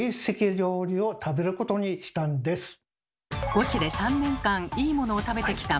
「ゴチ」で３年間いいものを食べてきた増田さん！